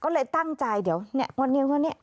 ก็เลยตั้งใจเดี๋ยววันนี้วันนี้